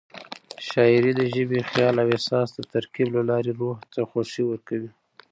شاعري د ژبې، خیال او احساس د ترکیب له لارې روح ته خوښي ورکوي.